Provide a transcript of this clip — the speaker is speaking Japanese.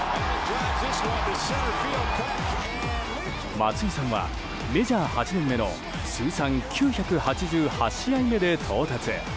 松井さんはメジャー８年目の通算９８８試合目で到達。